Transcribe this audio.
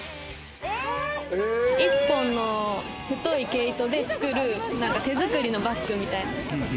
１本の太い毛糸で作る手づくりのバッグみたいな。